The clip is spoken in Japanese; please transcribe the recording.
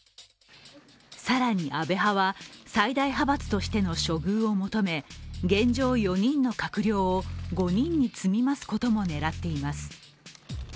更に安倍派は最大派閥としての処遇を求め、現状４人の閣僚を５人に積みますことも狙っています